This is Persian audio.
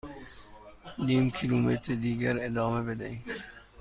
نیم کیلومتر دیگر ادامه بدهید.